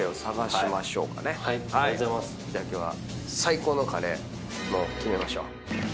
じゃあ今日は最高のカレーもう決めましょう。